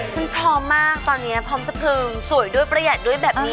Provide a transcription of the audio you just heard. ซึ่งพร้อมมากตอนนี้พร้อมสะพรึงสวยด้วยประหยัดด้วยแบบนี้